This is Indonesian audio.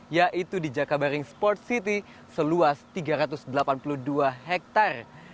yaitu di jakabaring sport city seluas tiga ratus delapan puluh dua hektare